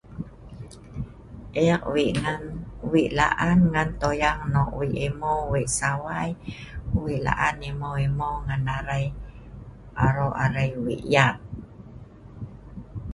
Ek wei' ngan, wei' la'an ngan toyang nok wei' imeu' wei' sawai wei' la'an imeu'-imeu ngai arai, aro' arai wei' yat.